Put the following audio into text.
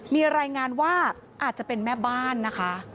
มีรายงานว่าอาจจะเป็นแม่บ้านนะคะ